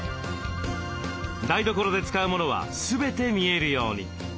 台所で使うモノは全て見えるように。